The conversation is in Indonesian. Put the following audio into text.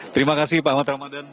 terima kasih pak ahmad ramadan